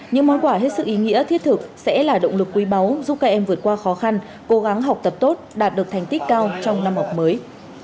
những món quà hết sức ý nghĩa thiết thực sẽ là động lực quý báu giúp các em vượt qua khó khăn cố gắng học tập tốt đạt được thành tích cao trong năm học mới